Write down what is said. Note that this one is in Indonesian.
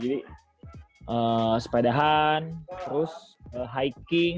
jadi sepedahan terus hiking